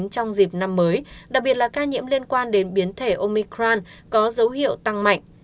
trong dịp năm mới đặc biệt là ca nhiễm liên quan đến biến thể omicran có dấu hiệu tăng mạnh